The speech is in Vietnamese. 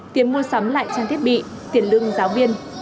tiền mua sắm lại trang thiết bị tiền lương giáo viên